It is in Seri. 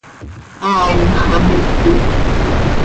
Haai nxamipit.